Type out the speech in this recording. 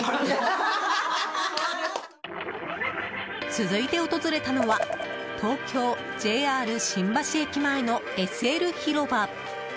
続いて訪れたのは東京・ＪＲ新橋駅前のＳＬ広場。